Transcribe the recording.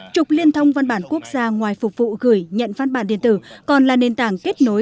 trục liên thông văn bản quốc gia ngoài phục vụ gửi nhận văn bản điện tử